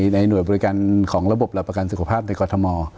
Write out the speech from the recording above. ในหน่วยบริการของระบบหลักประกันสุขภาพในกรทม